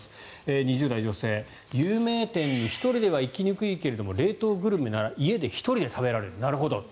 ２０代女性、有名店に１人では行きにくいけれども冷凍グルメなら家で１人で食べられる。